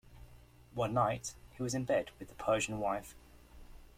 One night, he was in bed with the Persian wife.